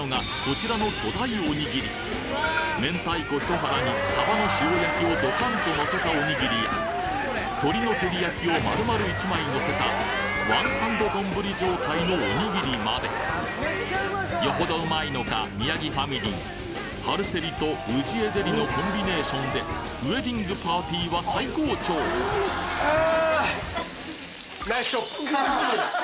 こちらの巨大おにぎり明太子ひと腹にさばの塩焼きをドカンとのせたおにぎりや鶏の照り焼きを丸々一枚のせたワンハンドのどんぶり状態のおにぎりまでよほどうまいのか宮城ファミリー春セリとウジエデリのコンビネーションでウェディングパーティーは最高潮あ！